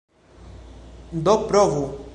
Do provu!